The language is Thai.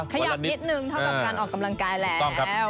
ขยับนิดนึงเท่ากับการออกกำลังกายแล้ว